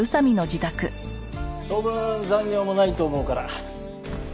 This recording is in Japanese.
当分残業もないと思うから。